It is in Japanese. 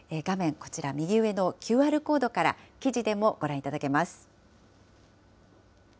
こちら、右上のＱＲコードから記事でもご覧いただけます。